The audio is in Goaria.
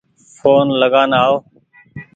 ڦون لگآن آئو